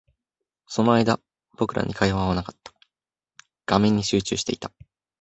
その間、僕らに会話はなかった。画面に集中していた。